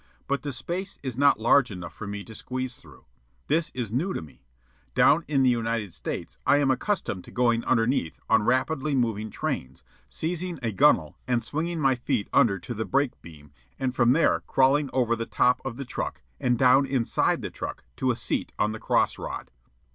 But the space is not large enough for me to squeeze through. This is new to me. Down in the United States I am accustomed to going underneath on rapidly moving trains, seizing a gunnel and swinging my feet under to the brake beam, and from there crawling over the top of the truck and down inside the truck to a seat on the cross rod.